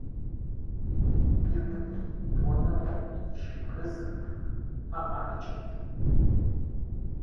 YƏMƏLǏ wo ŋə́ poʼ yi shʉʼʉ lə́ zʉ́, a máʼ lə̂ cûʼ yé.